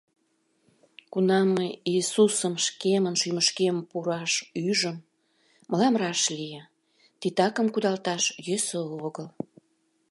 Кунам мый Иисусым шкемын шӱмышкем пураш ӱжым, мылам раш лие: титакым кудалташ йӧсӧ огыл.